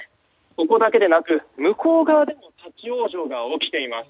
ここだけでなく向こう側でも立ち往生が起きています。